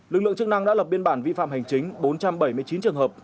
lực lượng chức năng đã lập biên bản vi phạm hành chính bốn trăm bảy mươi chín trường hợp